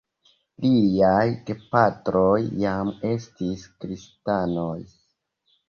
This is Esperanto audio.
Liaj gepatroj jam estis kristanoj.